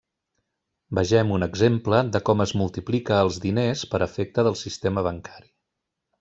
Vegem un exemple de com es multiplica els diners per efecte del sistema bancari.